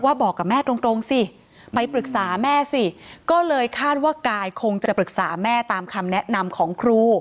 บอกกับแม่ตรงสิไปปรึกษาแม่สิก็เลยคาดว่ากายคงจะปรึกษาแม่ตามคำแนะนำของครู